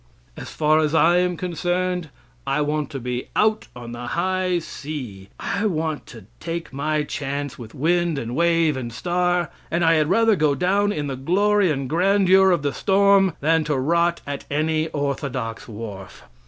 As far as I am concerned, I want to be out on the high sea; I Want to take my chance with wind and wave and star; and I had rather go down in the glory and grandeur of the storm than to rot at any orthodox wharf.